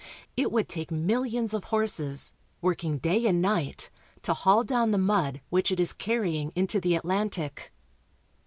It would take millions of horses, working day and night, to haul down the mud which it is carrying into the Atlantic.